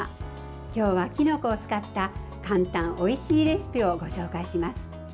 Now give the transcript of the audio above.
今日はきのこを使った簡単おいしいレシピをご紹介します。